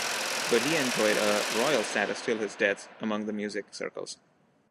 But he enjoyed a royal status till his death among the music circles.